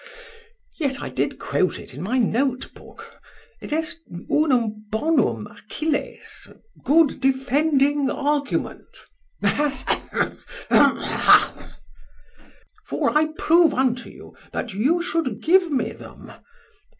Yet did I quote it in my note book, et est unum bonum Achilles, a good defending argument. Hem, hem, hem, haikhash! For I prove unto you, that you should give me them.